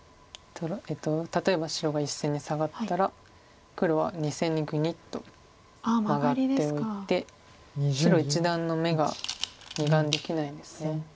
例えば白が１線にサガったら黒は２線にグニッとマガっておいて白一団の眼が２眼できないんです。